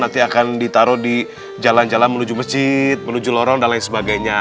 nanti akan ditaruh di jalan jalan menuju masjid menuju lorong dan lain sebagainya